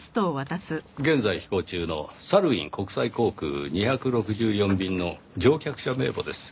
現在飛行中のサルウィン国際航空２６４便の乗客者名簿です。